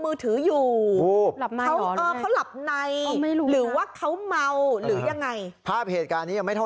มือถืออยู่ครับเขาเอ่อเขาในไม่รู้ฟับเหตุการณ์นี้ยังไม่เท่า